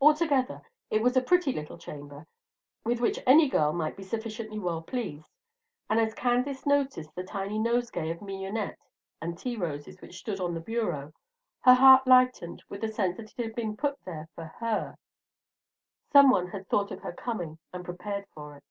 Altogether it was a pretty little chamber, with which any girl might be sufficiently well pleased; and as Candace noticed the tiny nosegay of mignonette and tea roses which stood on the bureau, her heart lightened with the sense that it had been put there for her. Some one had thought of her coming, and prepared for it.